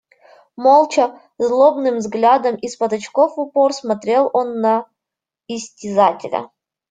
Молча, злобным взглядом из-под очков в упор смотрел он на истязателя.